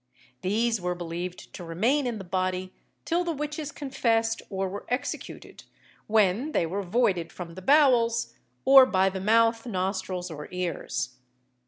These were believed to remain in the body till the witches confessed or were executed, when they were voided from the bowels, or by the mouth, nostrils, or ears.